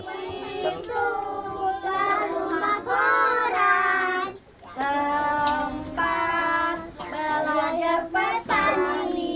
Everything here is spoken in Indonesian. itu rumah korang tempat belajar petani